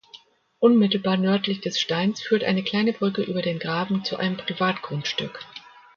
Unmittelbar nördlich des Steins führt eine kleine Brücke über den Graben zu einem Privatgrundstück.